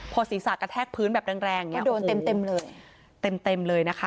พอศรีศักดิ์กระแทกพื้นแบบแรงโอ้โหเต็มเลยนะคะ